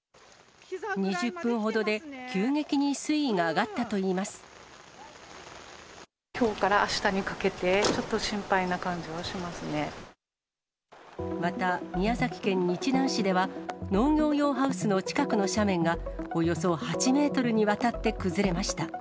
２０分ほどで急激に水位が上きょうからあしたにかけて、また、宮崎県日南市では、農業用ハウスの近くの斜面がおよそ８メートルにわたって崩れまし